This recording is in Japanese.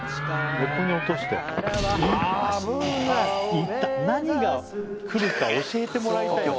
痛っ何がくるか教えてもらいたいよね。